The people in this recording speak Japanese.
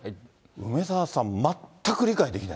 梅沢さん、全く理解できない？